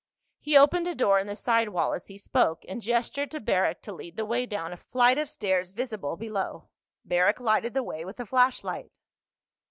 He opened a door in the side wall as he spoke, and gestured to Barrack to lead the way down a flight of stairs visible below. Barrack lighted the way with a flashlight.